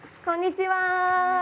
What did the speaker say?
こんにちは。